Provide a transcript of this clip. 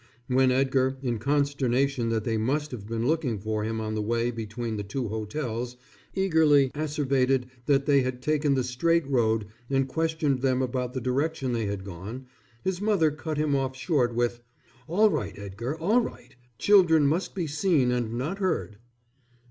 When Edgar, in consternation that they must have been looking for him on the way between the two hotels, eagerly asseverated that he had taken the straight road and questioned them about the direction they had gone, his mother cut him off short with, "All right, Edgar, all right. Children must be seen and not heard."